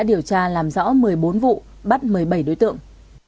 điều tra làm rõ một mươi bốn vụ bắt một mươi bảy đối tượng